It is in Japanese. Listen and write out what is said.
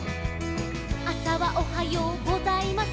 「あさはおはようございません」